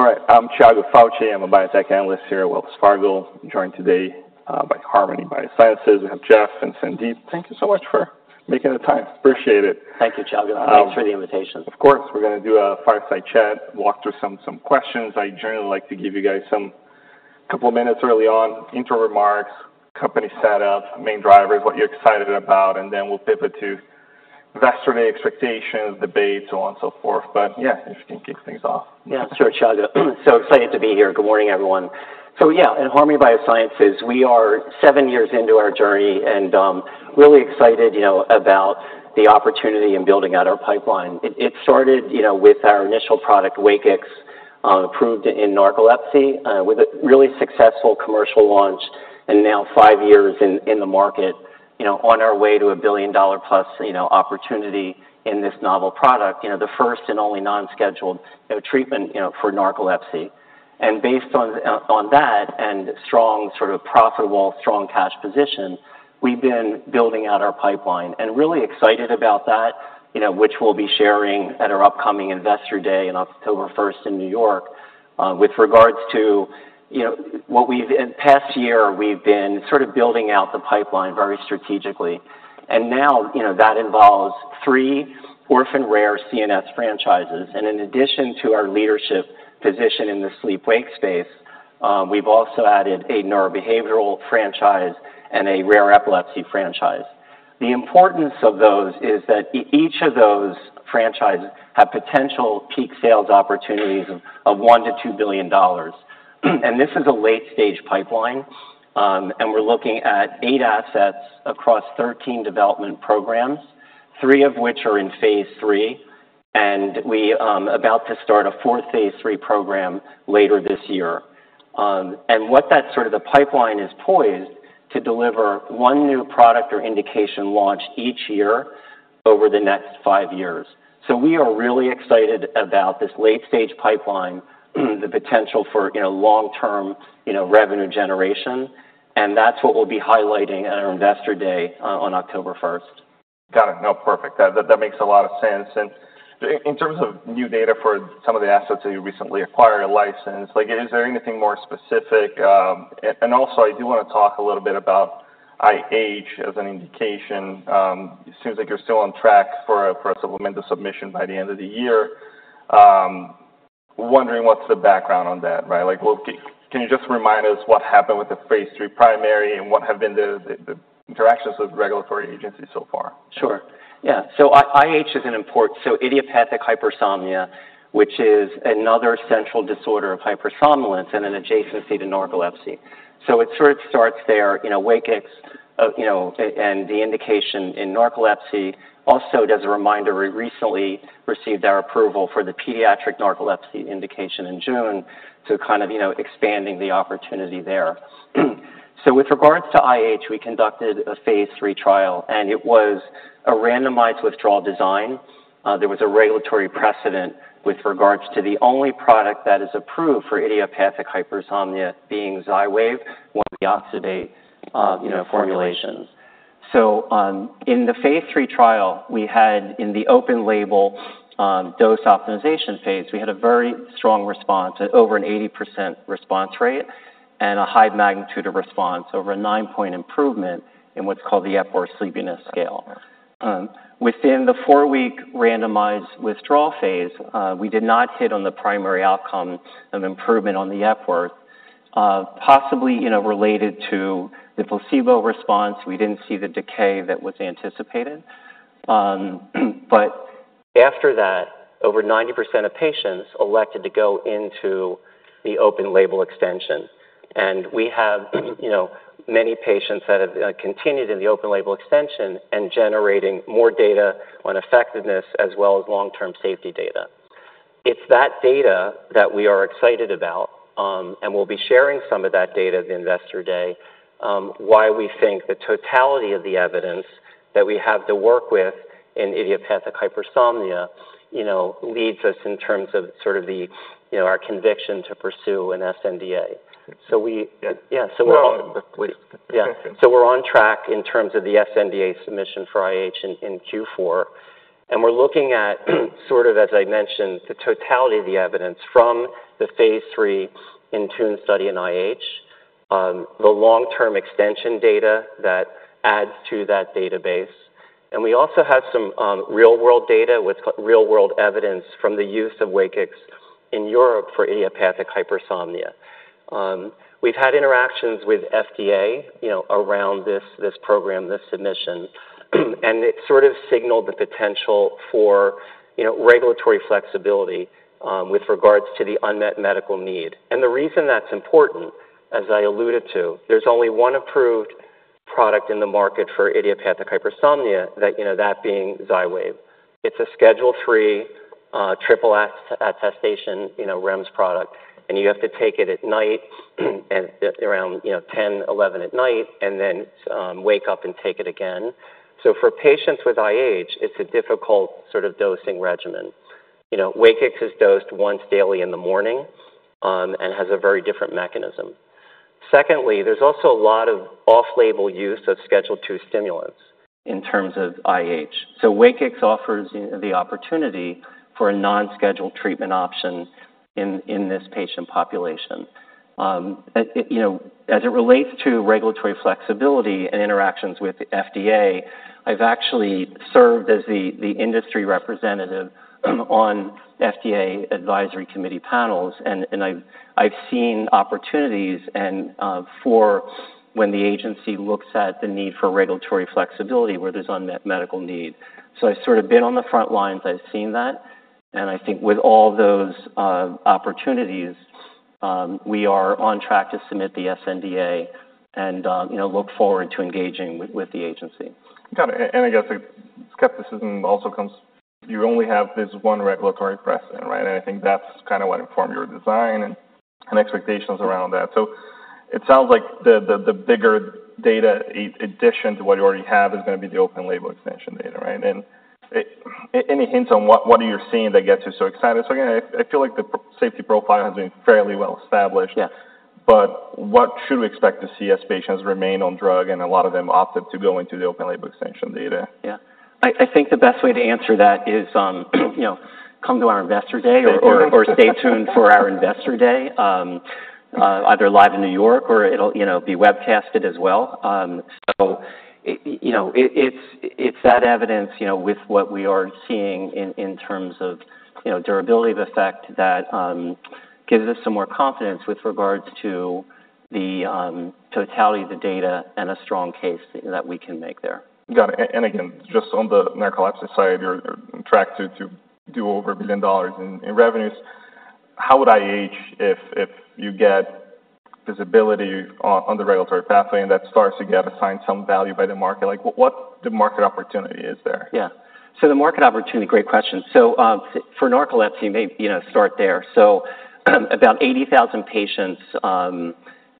All right, I'm Tiago Fauth. I'm a biotech analyst here at Wells Fargo, joined today by Harmony Biosciences. We have Jeff and Sandip. Thank you so much for making the time. Appreciate it. Thank you, Thiago. Thanks for the invitation. Of course. We're gonna do a fireside chat, walk through some questions. I generally like to give you guys some couple minutes early on, intro remarks, company setup, main drivers, what you're excited about, and then we'll pivot to investor day expectations, debates, so on and so forth. But, yeah, if you can kick things off. Yeah, sure, Thiago. So excited to be here. Good morning, everyone. So yeah, at Harmony Biosciences, we are seven years into our journey and, really excited, you know, about the opportunity in building out our pipeline. It started, you know, with our initial product, WAKIX, approved in narcolepsy, with a really successful commercial launch and now five years in the market, you know, on our way to a billion-dollar plus, you know, opportunity in this novel product. You know, the first and only non-scheduled, you know, treatment, you know, for narcolepsy. And based on on that and strong sort of profitable, strong cash position, we've been building out our pipeline. And really excited about that, you know, which we'll be sharing at our upcoming Investor Day in October 1st in New York. With regards to, you know, in past year, we've been sort of building out the pipeline very strategically, and now, you know, that involves three orphan rare CNS franchises. And in addition to our leadership position in the sleep/wake space, we've also added a neurobehavioral franchise and a rare epilepsy franchise. The importance of those is that each of those franchises have potential peak sales opportunities of $1-$2 billion. And this is a late-stage pipeline, and we're looking at eight assets across 13 development programs, three of which are in phase 3, and we about to start a fourth phase 3 program later this year. And what that sort of the pipeline is poised to deliver one new product or indication launch each year over the next five years. So we are really excited about this late-stage pipeline, the potential for, you know, long-term, you know, revenue generation, and that's what we'll be highlighting at our Investor Day, on October 1st. Got it. No, perfect. That makes a lot of sense. And in terms of new data for some of the assets that you recently acquired a license, like, is there anything more specific? And also, I do wanna talk a little bit about IH as an indication. It seems like you're still on track for a supplemental submission by the end of the year. Wondering, what's the background on that, right? Like, well, can you just remind us what happened with the phase three primary, and what have been the interactions with regulatory agencies so far? Sure. Yeah, so IH is an important idiopathic hypersomnia, which is another central disorder of hypersomnolence and an adjacency to narcolepsy. So it sort of starts there, you know, WAKIX, you know, and the indication in narcolepsy. Also, as a reminder, we recently received our approval for the pediatric narcolepsy indication in June, so kind of, you know, expanding the opportunity there. So with regards to IH, we conducted a phase three trial, and it was a randomized withdrawal design. There was a regulatory precedent with regards to the only product that is approved for idiopathic hypersomnia being Xywav, one of the oxybate, you know, formulations. In the phase three trial, we had, in the open-label dose optimization phase, we had a very strong response, at over an 80% response rate, and a high magnitude of response, over a nine-point improvement in what's called the Epworth Sleepiness Scale. Within the four-week randomized withdrawal phase, we did not hit on the primary outcome of improvement on the Epworth, possibly, you know, related to the placebo response. We didn't see the decay that was anticipated. After that, over 90% of patients elected to go into the open-label extension, and we have, you know, many patients that have continued in the open-label extension and generating more data on effectiveness as well as long-term safety data. It's that data that we are excited about, and we'll be sharing some of that data at the Investor Day, why we think the totality of the evidence that we have to work with in idiopathic hypersomnia, you know, leads us in terms of sort of the, you know, our conviction to pursue an sNDA. So we- Yeah. Yeah, so we're- No, please. Yeah. So we're on track in terms of the sNDA submission for IH in Q4, and we're looking at, sort of as I mentioned, the totality of the evidence from the phase three INTUNE study in IH, the long-term extension data that adds to that database, and we also have some real-world evidence from the use of WAKIX in Europe for idiopathic hypersomnia. We've had interactions with FDA, you know, around this program, this submission, and it sort of signaled the potential for, you know, regulatory flexibility with regards to the unmet medical need. And the reason that's important, as I alluded to, there's only one approved product in the market for idiopathic hypersomnia that, you know, that being Xywav. It's a Schedule III, SSS attestation, you know, REMS product, and you have to take it at night, around, you know, 10, 11 at night, and then wake up and take it again. So for patients with IH, it's a difficult sort of dosing regimen. You know, WAKIX is dosed once daily in the morning, and has a very different mechanism.... secondly, there's also a lot of off-label use of Schedule II stimulants. In terms of IH. So WAKIX offers, you know, the opportunity for a non-scheduled treatment option in this patient population. It you know, as it relates to regulatory flexibility and interactions with the FDA, I've actually served as the industry representative on FDA advisory committee panels, and I've seen opportunities and for when the agency looks at the need for regulatory flexibility, where there's unmet medical need. So I've sort of been on the front lines. I've seen that, and I think with all those opportunities, we are on track to submit the sNDA and, you know, look forward to engaging with the agency. Got it. And I guess the skepticism also comes, you only have this one regulatory precedent, right? And I think that's kind of what informed your design and expectations around that. So it sounds like the bigger data addition to what you already have is gonna be the open label extension data, right? And any hints on what are you seeing that gets you so excited? So again, I feel like the safety profile has been fairly well established. Yeah. But what should we expect to see as patients remain on drug, and a lot of them opted to go into the open label extension data? Yeah. I think the best way to answer that is, you know, come to our Investor Day or stay tuned for our Investor Day. Either live in New York or it'll, you know, be webcasted as well. So you know, it's that evidence, you know, with what we are seeing in terms of, you know, durability of effect that gives us some more confidence with regards to the totality of the data and a strong case that we can make there. Got it. And again, just on the narcolepsy side, you're on track to do over $1 billion in revenues. How would IH, if you get visibility on the regulatory pathway, and that starts to get assigned some value by the market? Like, what the market opportunity is there? Yeah. So the market opportunity, great question. So, for narcolepsy, maybe you know start there. So, about 80,000 patients,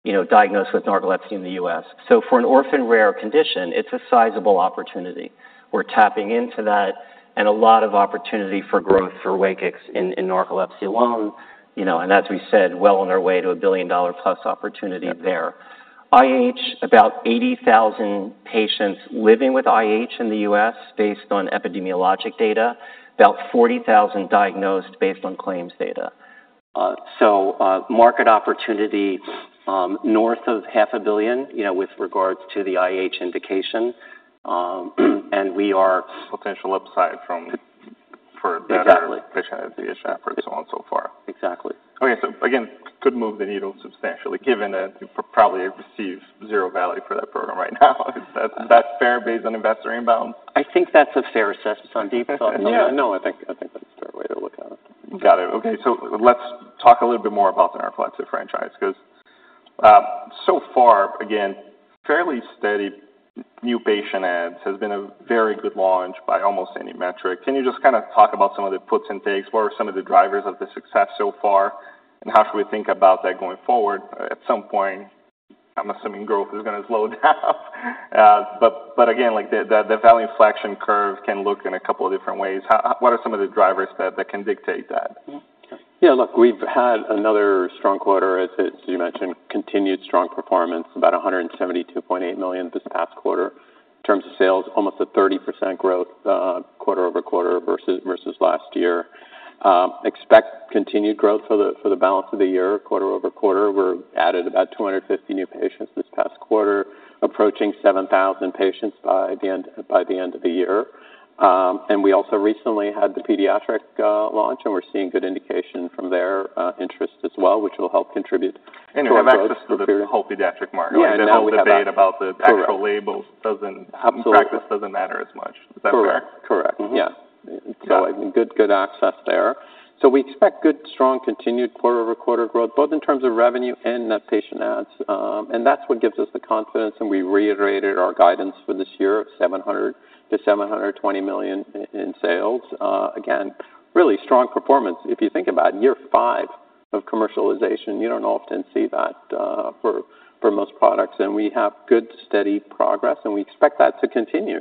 you know, diagnosed with narcolepsy in the U.S. So for an orphan rare condition, it's a sizable opportunity. We're tapping into that, and a lot of opportunity for growth for WAKIX in narcolepsy alone, you know, and as we said, well on our way to a $1 billion-plus opportunity there. Yeah. IH, about eighty thousand patients living with IH in the U.S. based on epidemiologic data, about forty thousand diagnosed based on claims data. So, market opportunity, north of $500 million, you know, with regards to the IH indication. And we are- Potential upside from p for better. Exactly... patient outcome, and so on, so far. Exactly. Okay, so again, could move the needle substantially, given that you probably receive zero value for that program right now. Is that fair, based on investor inbound? I think that's a fair assessment, Sandip. So- Yeah, no, I think, I think that's a fair way to look at it. Got it. Okay, so let's talk a little bit more about the narcolepsy franchise because, so far, again, fairly steady new patient adds. Has been a very good launch by almost any metric. Can you just kind of talk about some of the puts and takes? What are some of the drivers of the success so far, and how should we think about that going forward? At some point, I'm assuming growth is gonna slow down. But, but again, like, the value inflection curve can look in a couple of different ways. What are some of the drivers that can dictate that? Mm-hmm. Yeah, look, we've had another strong quarter, as it... You mentioned, continued strong performance, about $172.8 million this past quarter. In terms of sales, almost 30% growth, quarter over quarter versus last year. Expect continued growth for the balance of the year, quarter over quarter. We're added about 250 new patients this past quarter, approaching 7,000 patients by the end of the year, and we also recently had the pediatric launch, and we're seeing good indication from their interest as well, which will help contribute to our growth for the period. You have access to the whole pediatric market. Yeah, now we have that. The whole debate about the actual labels- Correct - doesn't- Absolutely practice doesn't matter as much. Is that fair? Correct. Correct. Mm-hmm. Yeah. Got it. Good, good access there. We expect good, strong, continued quarter-over-quarter growth, both in terms of revenue and net patient adds. And that's what gives us the confidence, and we reiterated our guidance for this year of $700 million-$720 million in sales. Again, really strong performance, if you think about it, year five of commercialization. You don't often see that for most products, and we have good, steady progress, and we expect that to continue.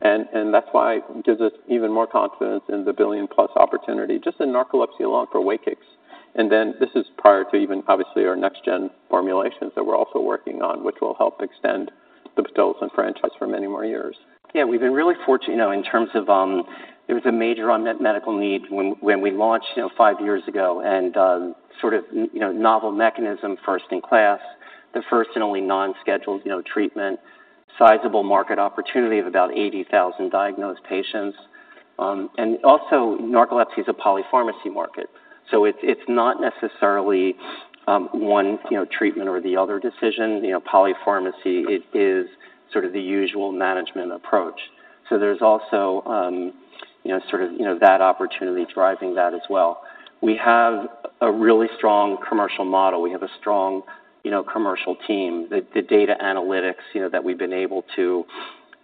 And that's why it gives us even more confidence in the billion-plus opportunity, just in narcolepsy alone for WAKIX. And then this is prior to even, obviously, our next-gen formulations that we're also working on, which will help extend the pitolisant franchise for many more years. Yeah, we've been really fortunate, you know, in terms of. It was a major unmet medical need when we launched, you know, five years ago, and sort of, you know, novel mechanism, first in class, the first and only non-scheduled, you know, treatment, sizable market opportunity of about 80,000 diagnosed patients. And also, narcolepsy is a polypharmacy market, so it's not necessarily one, you know, treatment or the other decision. You know, polypharmacy it is sort of the usual management approach. So there's also, you know, sort of, you know, that opportunity driving that as well. We have a really strong commercial model. We have a strong, you know, commercial team. The data analytics, you know, that we've been able to,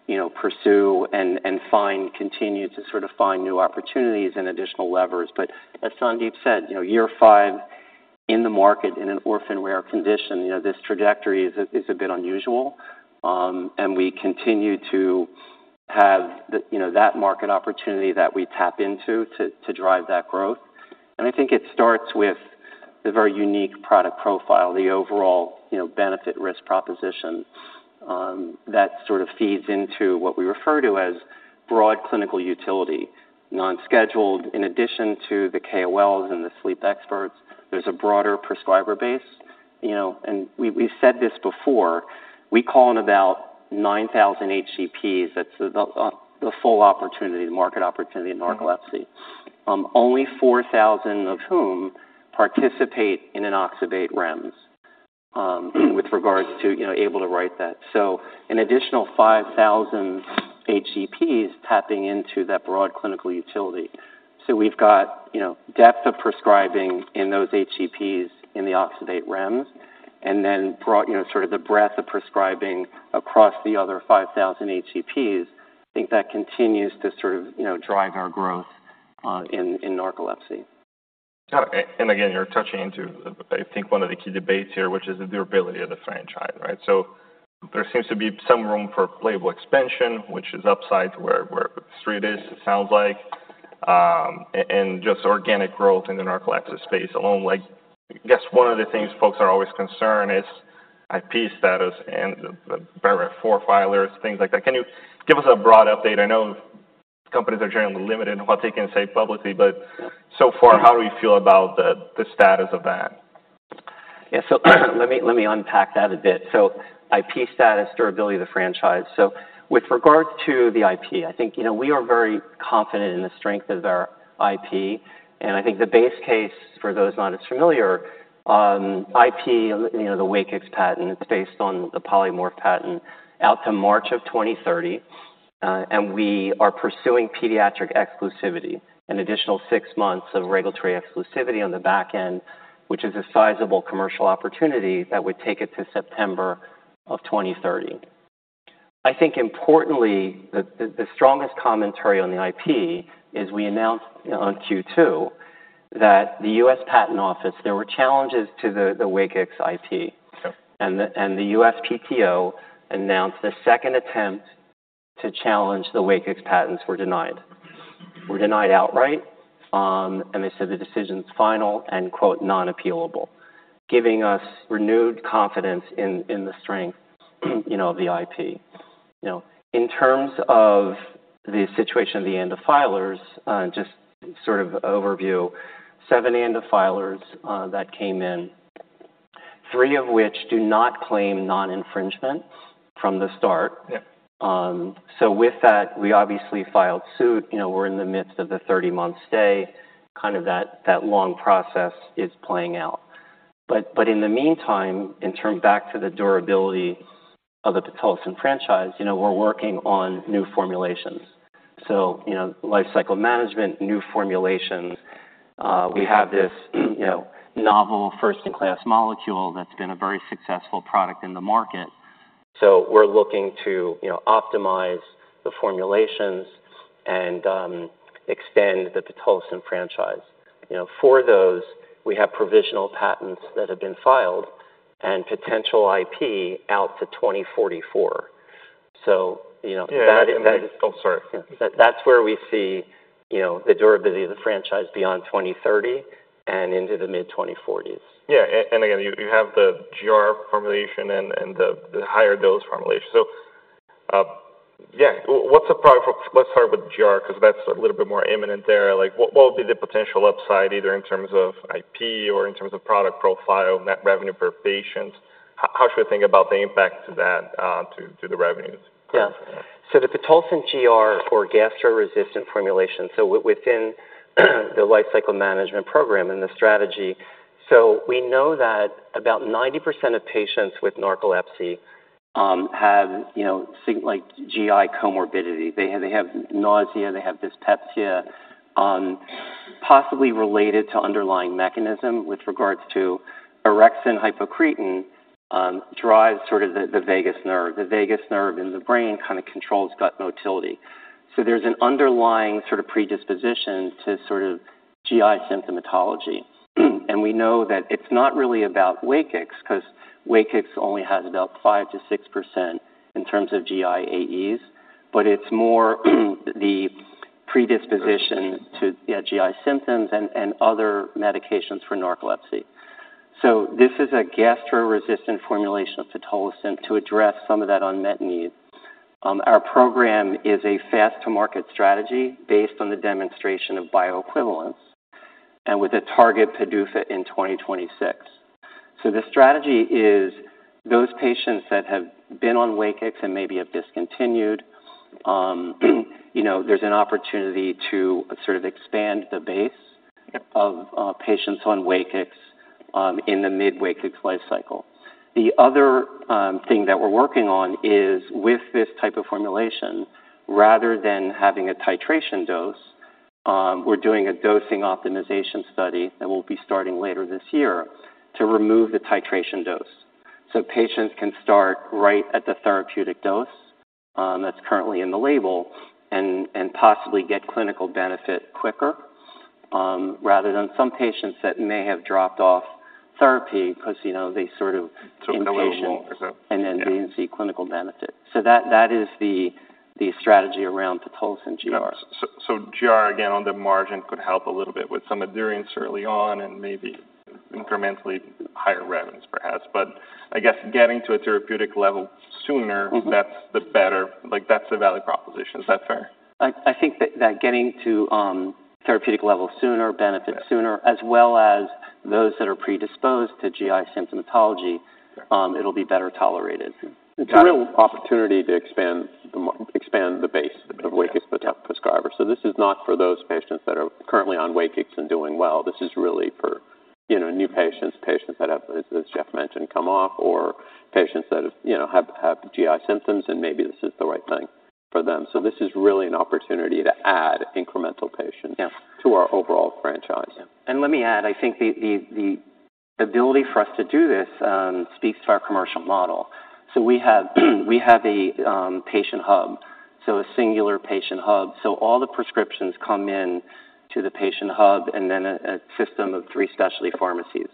you know, pursue and find, continue to sort of find new opportunities and additional levers. But as Sandip said, you know, year five in the market in an orphan rare condition, you know, this trajectory is a bit unusual. And we continue to have the, you know, that market opportunity that we tap into to drive that growth. And I think it starts with the very unique product profile, the overall, you know, benefit-risk proposition, that sort of feeds into what we refer to as broad clinical utility. Nonscheduled, in addition to the KOLs and the sleep experts, there's a broader prescriber base, you know. And we, we've said this before, we call in about nine thousand HCPs. That's the full opportunity, the market opportunity in narcolepsy. Only four thousand of whom participate in an oxybate REMS, with regards to, you know, able to write that. So an additional five thousand HCPs tapping into that broad clinical utility. So we've got, you know, depth of prescribing in those HCPs in the oxybate REMS, and then broad, you know, sort of the breadth of prescribing across the other five thousand HCPs. I think that continues to sort of, you know, drive our growth in narcolepsy. Got it. And again, you're touching on, I think, one of the key debates here, which is the durability of the franchise, right? So there seems to be some room for label expansion, which is upside to where the street is, it sounds like, and just organic growth in the narcolepsy space alone. Like, I guess one of the things folks are always concerned is IP status and the ANDA filers, things like that. Can you give us a broad update? I know companies are generally limited in what they can say publicly, but so far, how do you feel about the status of that? Yeah, so let me, let me unpack that a bit. So IP status, durability of the franchise. So with regards to the IP, I think, you know, we are very confident in the strength of our IP, and I think the base case, for those not as familiar, IP, you know, the WAKIX patent, it's based on the polymorph patent out to March of 2030. And we are pursuing pediatric exclusivity, an additional six months of regulatory exclusivity on the back end, which is a sizable commercial opportunity that would take it to September of 2030. I think importantly, the strongest commentary on the IP is we announced, you know, on Q2, that the U.S. Patent Office, there were challenges to the WAKIX IP. Sure. The USPTO announced the second attempt to challenge the WAKIX patents were denied. Were denied outright, and they said the decision's final and, quote, "non-appealable," giving us renewed confidence in the strength, you know, of the IP. You know, in terms of the situation with ANDA filers, just sort of overview, seven ANDA filers that came in, three of which do not claim non-infringement from the start. Yeah. So with that, we obviously filed suit. You know, we're in the midst of the thirty-month stay. Kind of that long process is playing out. But in the meantime, turn back to the durability of the pitolisant franchise, you know, we're working on new formulations. So, you know, life cycle management, new formulations. We have this, you know, novel first-in-class molecule that's been a very successful product in the market. So we're looking to, you know, optimize the formulations and extend the pitolisant franchise. You know, for those, we have provisional patents that have been filed and potential IP out to 2044. So, you know, that- Yeah. Oh, sorry. That's where we see, you know, the durability of the franchise beyond 2030 and into the mid-2040s. Yeah, and again, you have the GR formulation and the higher dose formulation. So, yeah, what's the product. Let's start with GR, because that's a little bit more imminent there. Like, what would be the potential upside, either in terms of IP or in terms of product profile, net revenue per patient? How should we think about the impact to that, to the revenues? Yeah. So the pitolisant GR or gastroresistant formulation, so within the lifecycle management program and the strategy. So we know that about 90% of patients with narcolepsy have, you know, things like GI comorbidity. They have nausea, they have dyspepsia, possibly related to underlying mechanism with regards to orexin hypocretin drives sort of the vagus nerve. The vagus nerve in the brain kind of controls gut motility. So there's an underlying sort of predisposition to sort of GI symptomatology. And we know that it's not really about WAKIX, because WAKIX only has about 5%-6% in terms of GI AEs, but it's more the predisposition to GI symptoms and other medications for narcolepsy. So this is a gastroresistant formulation of pitolisant to address some of that unmet need. Our program is a fast-to-market strategy based on the demonstration of bioequivalence and with a target PDUFA in 2026. So the strategy is those patients that have been on WAKIX and maybe have discontinued, you know, there's an opportunity to sort of expand the base- Yep. -of patients on WAKIX in the mid-WAKIX life cycle. The other thing that we're working on is with this type of formulation, rather than having a titration dose, we're doing a dosing optimization study that we'll be starting later this year to remove the titration dose. So patients can start right at the therapeutic dose that's currently in the label and possibly get clinical benefit quicker. Rather than some patients that may have dropped off therapy because, you know, they sort of impatient- Took a little while. Didn't see clinical benefit. That is the strategy around Pitolisant GR. So GR, again, on the margin, could help a little bit with some adherence early on and maybe incrementally higher revenues, perhaps. But I guess getting to a therapeutic level sooner- Mm-hmm. That's the better, like, that's the value proposition. Is that fair? I think that getting to therapeutic level sooner benefits sooner, as well as those that are predisposed to GI symptomatology, it'll be better tolerated. It's a real opportunity to expand the base of WAKIX prescribers. So this is not for those patients that are currently on WAKIX and doing well. This is really for, you know, new patients, patients that have, as Jeff mentioned, come off, or patients that have, you know, have GI symptoms, and maybe this is the right thing for them. So this is really an opportunity to add incremental patients. Yeah... to our overall franchise. Let me add, I think the ability for us to do this speaks to our commercial model. So we have a patient hub, so a singular patient hub. So all the prescriptions come in to the patient hub and then a system of three specialty pharmacies.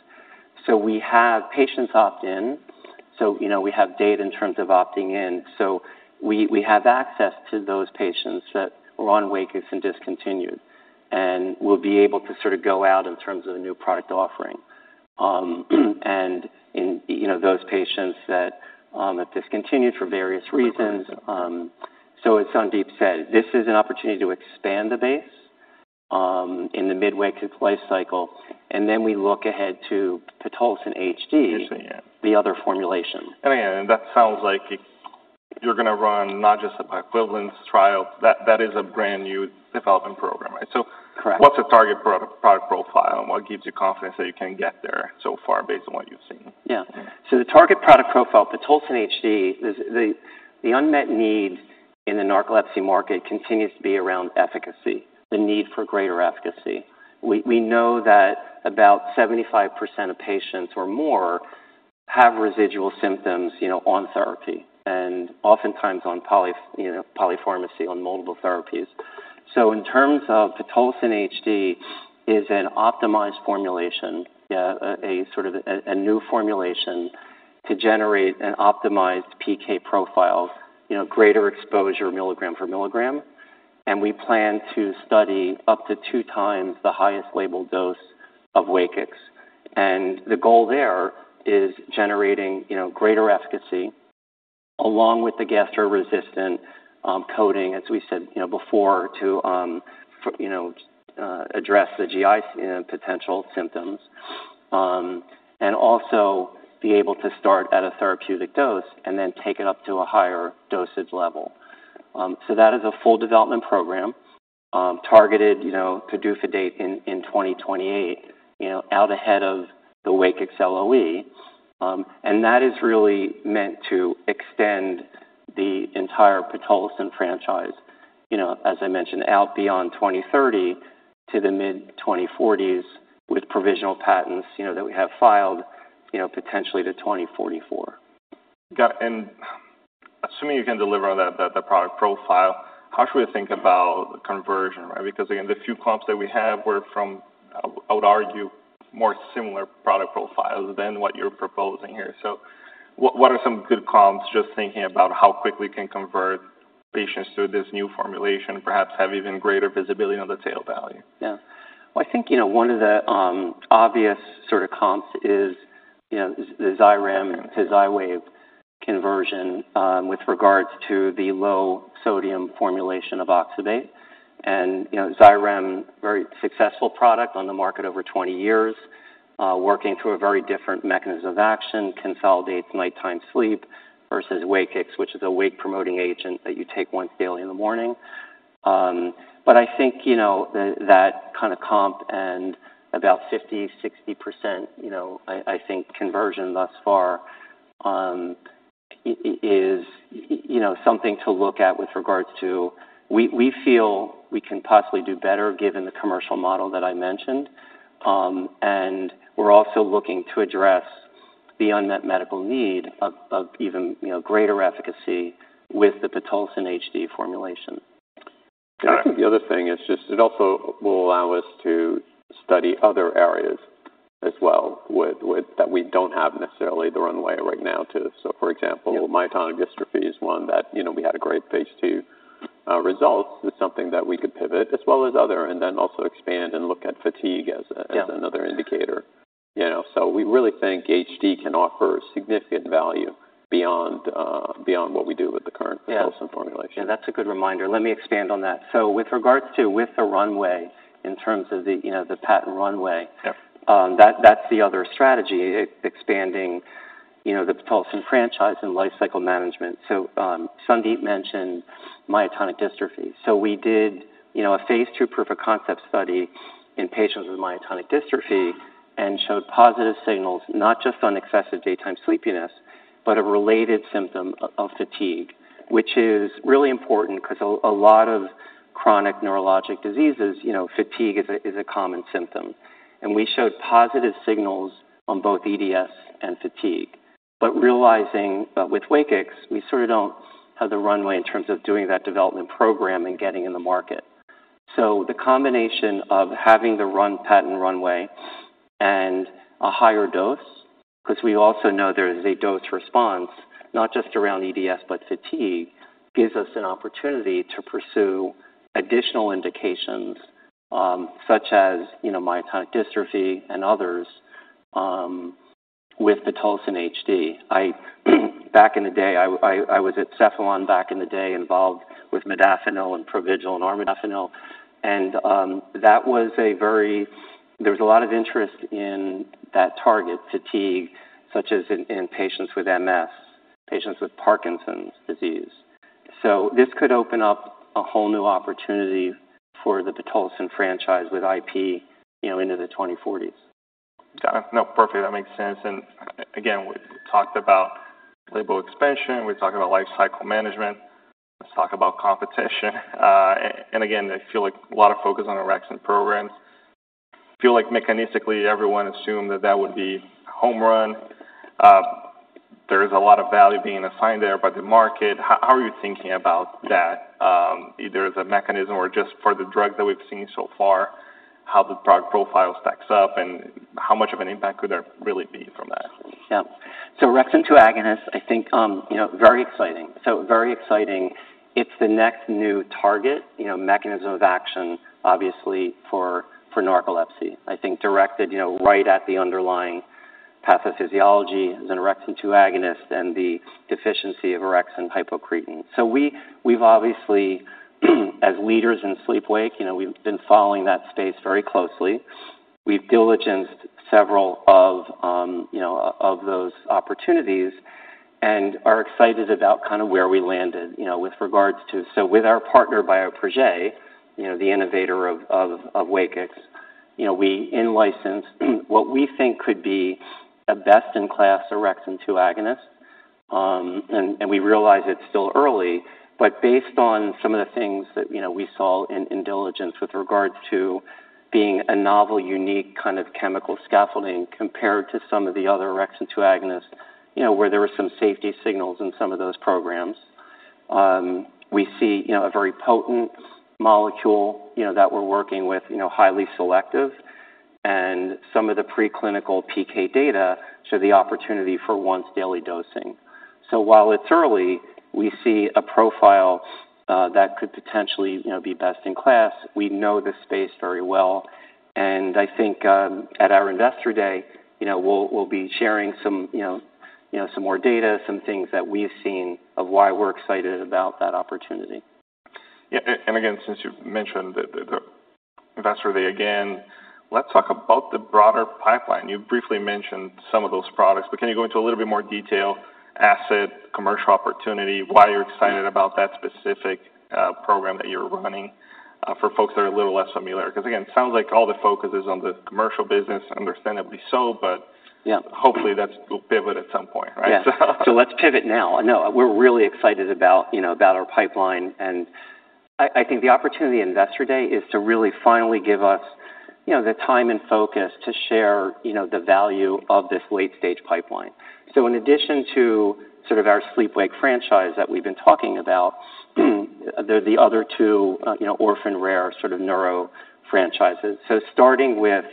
So we have patients opt in, so, you know, we have data in terms of opting in. So we have access to those patients that were on WAKIX and discontinued, and we'll be able to sort of go out in terms of the new product offering. And in, you know, those patients that have discontinued for various reasons. So as Sandip said, this is an opportunity to expand the base in the mid-WAKIX life cycle, and then we look ahead to Pitolisant HD- I see. Yeah. The other formulation. Again, that sounds like it, you're gonna run not just a bioequivalence trial. That is a brand-new development program, right? Correct. What's the target product profile, and what gives you confidence that you can get there so far based on what you've seen? Yeah. So the target product profile, Pitolisant HD, is the unmet need in the narcolepsy market continues to be around efficacy, the need for greater efficacy. We know that about 75% of patients or more have residual symptoms, you know, on therapy, and oftentimes on polypharmacy, on multiple therapies. So in terms of Pitolisant HD is an optimized formulation, a sort of a new formulation to generate an optimized PK profile, you know, greater exposure, milligram for milligram. And we plan to study up to two times the highest labeled dose of WAKIX. And the goal there is generating, you know, greater efficacy, along with the gastro-resistant coating, as we said, you know, before, to address the GI potential symptoms, and also be able to start at a therapeutic dose and then take it up to a higher dosage level. So that is a full development program, targeted, you know, to PDUFA date in 2028, you know, out ahead of the WAKIX LOE. And that is really meant to extend the entire pitolisant franchise, you know, as I mentioned, out beyond 2030 to the mid-2040s, with provisional patents, you know, that we have filed, you know, potentially to 2044. Got it. And assuming you can deliver on that, the product profile, how should we think about conversion, right? Because, again, the few comps that we have were from, I would argue, more similar product profiles than what you're proposing here. So what are some good comps, just thinking about how quickly we can convert patients to this new formulation, perhaps have even greater visibility on the tail value? Yeah, well, I think, you know, one of the obvious sort of comps is, you know, the Xyrem to Xywav conversion, with regards to the low sodium formulation of oxybate. And, you know, Xyrem, very successful product on the market over twenty years, working through a very different mechanism of action, consolidates nighttime sleep, versus WAKIX, which is a wake-promoting agent that you take once daily in the morning. But I think, you know, the that kind of comp and about 50-60%, you know, I think conversion thus far, is, you know, something to look at with regards to... We feel we can possibly do better given the commercial model that I mentioned, and we're also looking to address the unmet medical need of even, you know, greater efficacy with the Pitolisant HD formulation. Got it. I think the other thing is just it also will allow us to study other areas as well, with that we don't have necessarily the runway right now to. So, for example, myotonic dystrophy is one that, you know, we had a great phase two results with something that we could pivot, as well as other, and then also expand and look at fatigue as a- Yeah... as another indicator. You know, so we really think HD can offer significant value beyond, beyond what we do with the current- Yeah -pitolisant formulation. Yeah, that's a good reminder. Let me expand on that. So with regards to, with the runway, in terms of the, you know, the patent runway- Yeah... that, that's the other strategy, expanding, you know, the pitolisant franchise and lifecycle management. So, Sandip mentioned myotonic dystrophy. We did, you know, a phase two proof of concept study in patients with myotonic dystrophy and showed positive signals, not just on excessive daytime sleepiness, but a related symptom of fatigue, which is really important because a lot of chronic neurologic diseases, you know, fatigue is a common symptom. And we showed positive signals on both EDS and fatigue... but realizing that with WAKIX, we sort of don't have the runway in terms of doing that development program and getting in the market. The combination of having the patent runway and a higher dose, because we also know there is a dose response, not just around EDS, but fatigue, gives us an opportunity to pursue additional indications, such as, you know, myotonic dystrophy and others, with the Pitolisant HD. Back in the day, I was at Cephalon back in the day, involved with Modafinil and Provigil and Armodafinil. There was a lot of interest in that target, fatigue, such as in patients with MS, patients with Parkinson's disease. This could open up a whole new opportunity for the Pitolisant franchise with IP, you know, into the twenty forties. Got it. No, perfect. That makes sense. And again, we talked about label expansion, we talked about life cycle management. Let's talk about competition. And again, I feel like a lot of focus on orexin programs. I feel like mechanistically, everyone assumed that that would be a home run. There is a lot of value being assigned there by the market. How are you thinking about that? Either as a mechanism or just for the drug that we've seen so far, how the product profile stacks up, and how much of an impact could there really be from that? Yeah. So orexin two agonist, I think, you know, very exciting. So very exciting. It's the next new target, you know, mechanism of action, obviously, for narcolepsy. I think directed, you know, right at the underlying pathophysiology as an orexin two agonist and the deficiency of orexin hypocretin. So we've obviously, as leaders in sleep/wake, you know, we've been following that space very closely. We've diligenced several of, you know, of those opportunities and are excited about kind of where we landed, you know, with regards to... So with our partner, Bioprojet, you know, the innovator of WAKIX, you know, we in-licensed what we think could be a best-in-class orexin two agonist. We realize it's still early, but based on some of the things that, you know, we saw in diligence with regards to being a novel, unique kind of chemical scaffolding compared to some of the other orexin two agonists, you know, where there were some safety signals in some of those programs. We see, you know, a very potent molecule, you know, that we're working with, you know, highly selective, and some of the preclinical PK data show the opportunity for once daily dosing. So while it's early, we see a profile that could potentially, you know, be best in class. We know this space very well, and I think at our Investor Day, you know, we'll be sharing some, you know, some more data, some things that we've seen of why we're excited about that opportunity. Yeah. And again, since you've mentioned the Investor Day again, let's talk about the broader pipeline. You briefly mentioned some of those products, but can you go into a little bit more detail, asset, commercial opportunity, why you're excited about that specific program that you're running for folks that are a little less familiar? Because, again, it sounds like all the focus is on the commercial business. Understandably so, but- Yeah. Hopefully, that's when we'll pivot at some point, right? Yeah. So let's pivot now. No, we're really excited about, you know, about our pipeline, and I think the opportunity at Investor Day is to really finally give us, you know, the time and focus to share, you know, the value of this late-stage pipeline. So in addition to sort of our sleep/wake franchise that we've been talking about, the other two, you know, orphan rare sort of neuro franchises. So starting with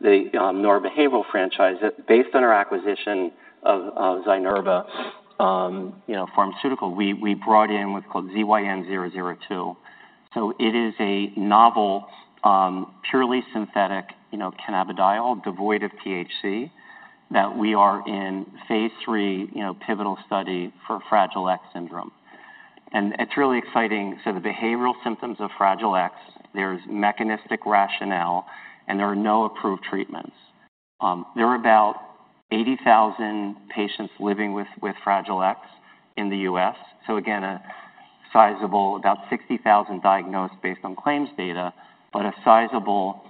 the neurobehavioral franchise, based on our acquisition of Zynerba Pharmaceuticals, you know, we brought in what's called ZYN002. So it is a novel purely synthetic, you know, cannabidiol, devoid of THC, that we are in phase III, you know, pivotal study for Fragile X syndrome. And it's really exciting. So the behavioral symptoms of Fragile X, there's mechanistic rationale, and there are no approved treatments. There are about eighty thousand patients living with Fragile X in the U.S. So again, a sizable... about sixty thousand diagnosed based on claims data, but a sizable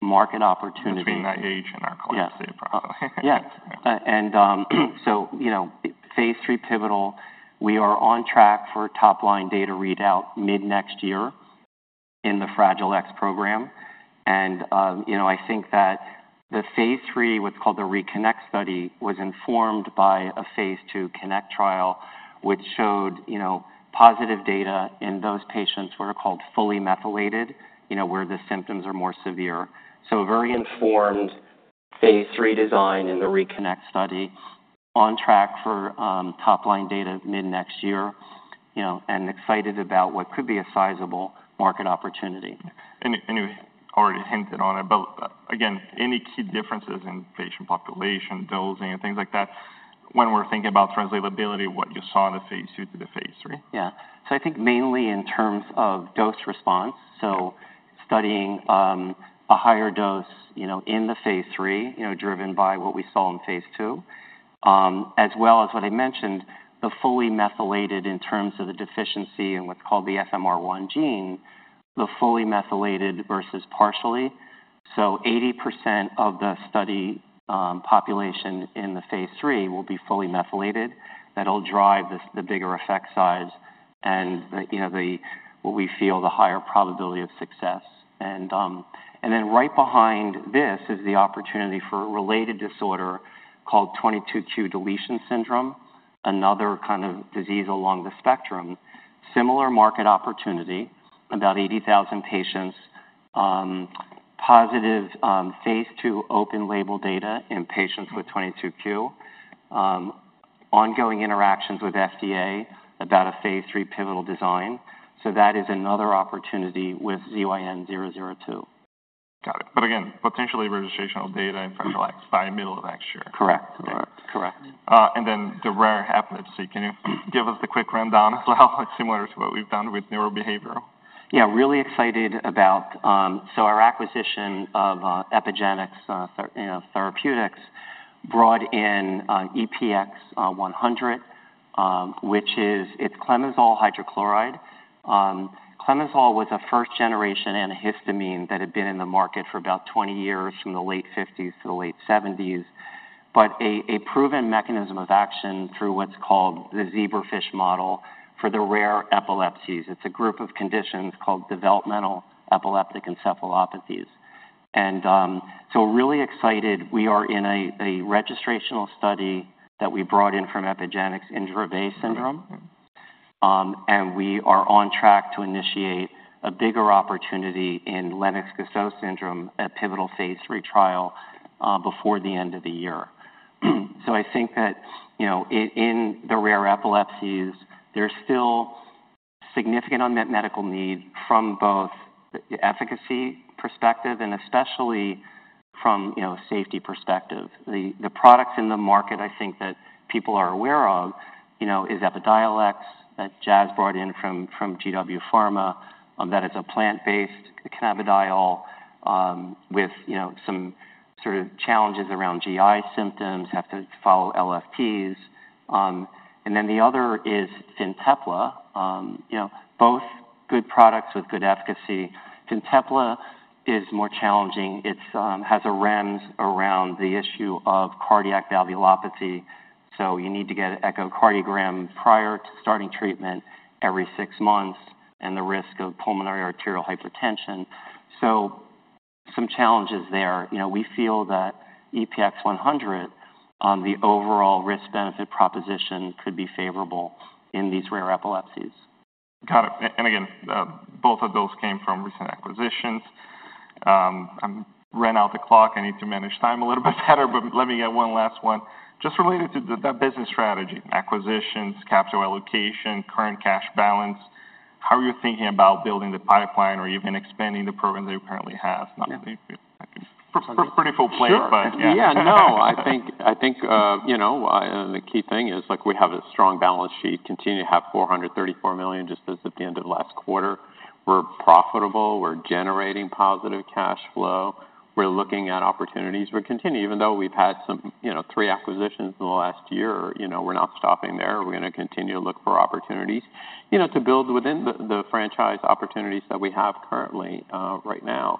market opportunity. Between that age and our collective data profile. Yes, and so, you know, phase III pivotal, we are on track for top-line data readout mid-next year in the Fragile X program, and you know, I think that the phase III, what's called the Reconnect Study, was informed by a phase II Connect trial, which showed, you know, positive data in those patients were called fully methylated, you know, where the symptoms are more severe, so a very informed phase III design in the Reconnect Study, on track for top-line data mid-next year, you know, and excited about what could be a sizable market opportunity. You already hinted on it, but again, any key differences in patient population, dosing, and things like that when we're thinking about translatability, what you saw in the phase II to the phase III? Yeah. So I think mainly in terms of dose response, so studying a higher dose, you know, in the phase III, you know, driven by what we saw in phase II, as well as what I mentioned, the fully methylated in terms of the deficiency in what's called the FMR1 gene, the fully methylated versus partially. So 80% of the study population in the phase III will be fully methylated. That'll drive this, the bigger effect size and the, you know, the, what we feel the higher probability of success. And, and then right behind this is the opportunity for a related disorder called 22q deletion syndrome, another kind of disease along the spectrum. Similar market opportunity, about 80,000 patients, positive phase two open label data in patients with 22q. Ongoing interactions with FDA about a phase three pivotal design, so that is another opportunity with ZYN002. Got it. But again, potentially registrational data in Fragile X by middle of next year? Correct. Correct. And then the rare epilepsy, can you give us the quick rundown as well? It's similar to what we've done with neurobehavioral. Yeah, really excited about... So our acquisition of Epygenix, you know, Therapeutics brought in EPX-100, which is, it's clemizole hydrochloride. Clemizole was a first-generation antihistamine that had been in the market for about twenty years, from the late fifties to the late seventies. But a proven mechanism of action through what's called the zebrafish model for the rare epilepsies. It's a group of conditions called developmental epileptic encephalopathies. And so really excited. We are in a registrational study that we brought in from Epygenix in Dravet syndrome. And we are on track to initiate a bigger opportunity in Lennox-Gastaut syndrome, a pivotal phase three trial before the end of the year. So I think that, you know, in the rare epilepsies, there's still significant unmet medical need from both the efficacy perspective and especially from, you know, safety perspective. The products in the market, I think, that people are aware of, you know, is Epidiolex that Jazz brought in from GW Pharma, that is a plant-based cannabidiol, with, you know, some sort of challenges around GI symptoms, have to follow LFTs. And then the other is Fintepla. You know, both good products with good efficacy. Fintepla is more challenging. It has a REMS around the issue of cardiac valvulopathy, so you need to get an echocardiogram prior to starting treatment every six months, and the risk of pulmonary arterial hypertension, so some challenges there. You know, we feel that EPX-100, the overall risk-benefit proposition could be favorable in these rare epilepsies. Got it. And again, both of those came from recent acquisitions. I ran out the clock. I need to manage time a little bit better, but let me get one last one. Just related to that business strategy, acquisitions, capital allocation, current cash balance, how are you thinking about building the pipeline or even expanding the program that you currently have? Yeah. Pretty, pretty full plate, but yeah. Yeah, no, I think, you know, the key thing is, like, we have a strong balance sheet, continue to have $434 million, just as at the end of last quarter. We're profitable, we're generating positive cash flow. We're looking at opportunities. We're continuing, even though we've had some, you know, three acquisitions in the last year, you know, we're not stopping there. We're gonna continue to look for opportunities, you know, to build within the franchise opportunities that we have currently, right now.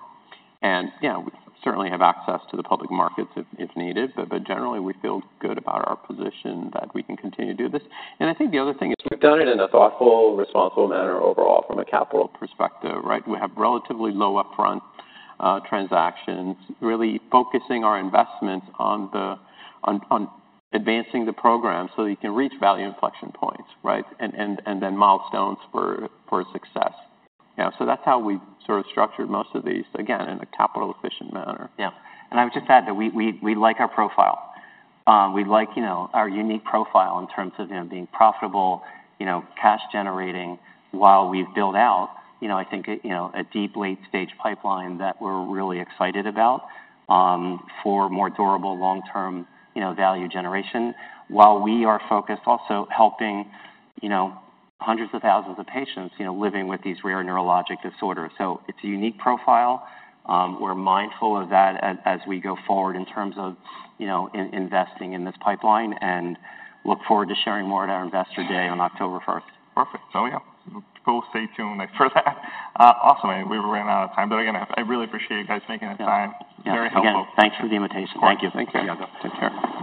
And, you know, we certainly have access to the public markets if needed, but generally, we feel good about our position that we can continue to do this. And I think the other thing is we've done it in a thoughtful, responsible manner overall, from a capital perspective, right? We have relatively low upfront transactions, really focusing our investments on advancing the program so we can reach value inflection points, right? And then milestones for success. You know, so that's how we've sort of structured most of these, again, in a capital efficient manner. Yeah. And I would just add that we like our profile. We like, you know, our unique profile in terms of, you know, being profitable, you know, cash generating while we build out, you know, I think a deep late stage pipeline that we're really excited about, for more durable long-term, you know, value generation. While we are focused also helping, you know, hundreds of thousands of patients, you know, living with these rare neurologic disorders. So it's a unique profile. We're mindful of that as we go forward in terms of, you know, investing in this pipeline, and look forward to sharing more at our Investor Day on October first. Perfect. So yeah, we'll stay tuned for that. Also, we've run out of time, but again, I really appreciate you guys making the time. Yeah. Very helpful. Again, thanks for the invitation. Thank you. Thank you. Take care.